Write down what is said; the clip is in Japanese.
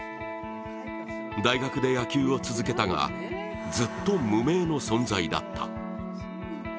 大学で野球を続けたがずっと無名の存在だった。